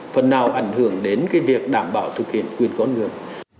phần nào ảnh hưởng đến việc đảm bảo thực hiện quyền con người